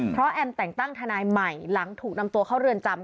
เพราะแอมแต่งตั้งทนายใหม่หลังถูกนำตัวเข้าเรือนจำ